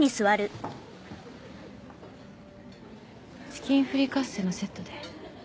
チキンフリカッセのセットで。